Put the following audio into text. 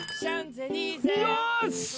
よし！